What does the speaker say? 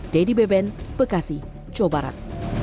dedy beben bekasi jawa barat